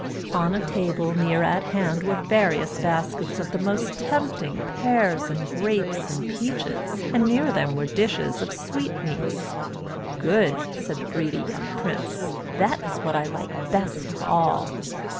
On a table near at hand were various baskets of the most tempting pears and grapes and peaches, and near them were dishes of sweetmeats. "Good," said the greedy young prince, "that is what I like best of all."